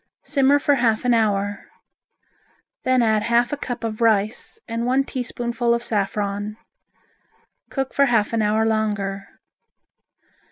Simmer for half an hour. Then add half a cup of rice and one teaspoonful of saffron. Cook for half an hour longer.